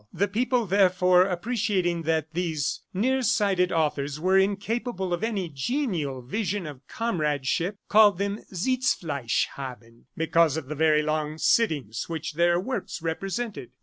The people, therefore, appreciating that these near sighted authors were incapable of any genial vision of comradeship, called them Sitzfleisch haben, because of the very long sittings which their works represented.